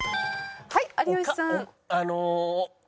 はい有吉さん。